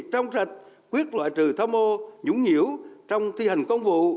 trong sạch quyết loại trừ tham ô nhũng nhiễu trong thi hành công vụ